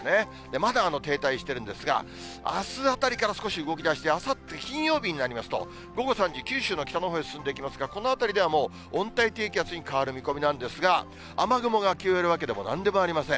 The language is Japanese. まだ停滞してるんですが、あすあたりから少し動きだして、あさって金曜日になりますと、午後３時、九州の北のほうへ進んでいきますが、この辺りではもう温帯低気圧に変わる見込みなんですが、雨雲が消えるわけでもなんでもありません。